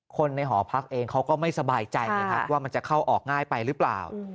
คนในหอพักเองเขาก็ไม่สบายใจไงครับว่ามันจะเข้าออกง่ายไปหรือเปล่า